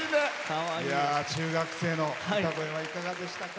中学生の歌声はいかがでしたか？